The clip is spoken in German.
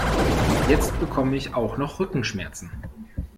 Jetzt bekomme ich auch noch Rückenschmerzen!